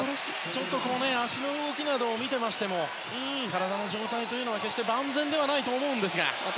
ちょっと足の動きなどを見ていても体の状態は決して万全ではないと思いますが。